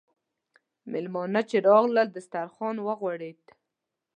میلمانه چې راغلل، دسترخوان وغوړېد.